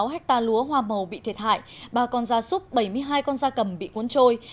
năm trăm năm mươi sáu hectare lúa hoa màu bị thiệt hại ba con da súp bảy mươi hai con da cầm bị cuốn trôi